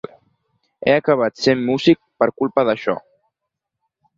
He acabat sent músic per culpa d’això.